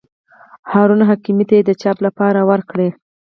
هارون حکیمي ته یې د چاپ لپاره ورکړي.